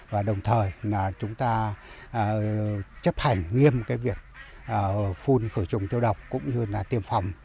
và đồng thời chúng ta chấp hành nghiêm việc phun khởi trùng tiêu độc cũng như tiêm phòng